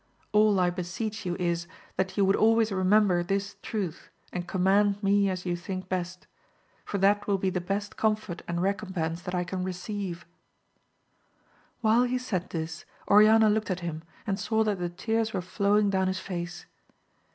All I beseech you is, that you would always remember this truth and command me as you think best, for that will be the best comfort and recompense I can receive. While he said this, Oriana looked at him, and saw that the tears were flow ing down his face.